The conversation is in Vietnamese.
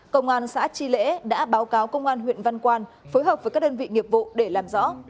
công an xã chi lễ đã báo cáo công an huyện văn quan phối hợp với các đơn vị nghiệp vụ để làm rõ